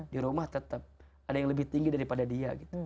di rumah tetap ada yang lebih tinggi daripada dia